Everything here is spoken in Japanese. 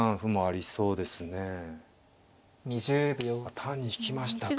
単に引きましたか。